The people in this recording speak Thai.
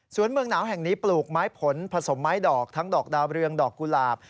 ส่วนเมืองหนาวแห่งนี้ปลูกไม้ผลผสมไม้ดอกทั้งดอกดาวเรืองดอกกุหลาบ